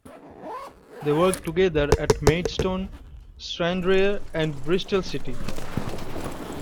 They worked together at Maidstone, Stranraer and Bristol City.